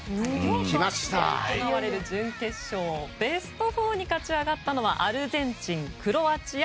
ベスト４に勝ち上がったのはアルゼンチン、クロアチア